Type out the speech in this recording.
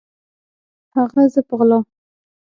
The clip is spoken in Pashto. هغه زه په غلا